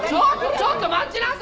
ちょっと待ちなさい！